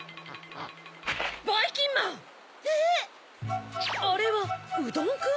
あれはうどんくん？